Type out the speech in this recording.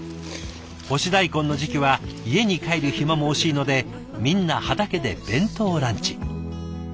干し大根の時期は家に帰る暇も惜しいのでみんな畑で弁当ランチ。